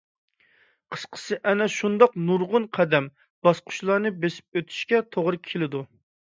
قىسقىسى، ئەنە شۇنداق نۇرغۇن قەدەم - باسقۇچىلارنى بېسىپ ئۆتۈشكە توغرا كېلىدۇ.